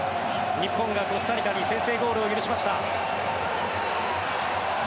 日本がコスタリカに先制ゴールを許しました。